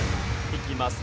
いきます。